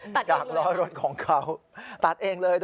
จากล้อรถของเขาตัดเองเลย